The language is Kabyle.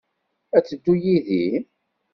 Ad teddu yid-i?